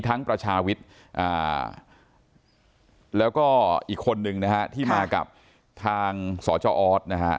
ประชาวิทย์แล้วก็อีกคนนึงนะฮะที่มากับทางสจออสนะฮะ